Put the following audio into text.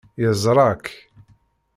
Yeẓra-k.